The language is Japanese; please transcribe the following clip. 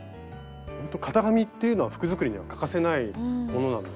型紙っていうのは服作りには欠かせないものなので。